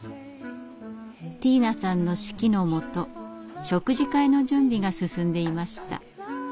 ティーナさんの指揮のもと食事会の準備が進んでいました。